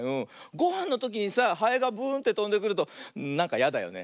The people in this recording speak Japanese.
ごはんのときにさハエがブーンってとんでくるとなんかやだよね。